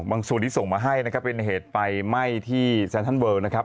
ส่วนที่ส่งมาให้นะครับเป็นเหตุไฟไหม้ที่แซนเวิลนะครับ